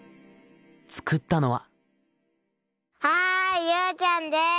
作ったのは。